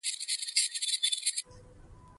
کوچیان چې ملالۍ ورسره وه، له میوند نه ووتل.